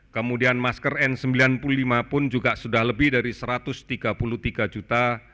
kemudian masker n sembilan puluh lima pun juga sudah lebih dari satu ratus tiga puluh tiga juta